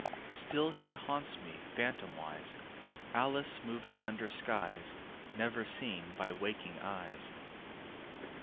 Still she haunts me, phantomwise, Alice moving under skies Never seen by waking eyes.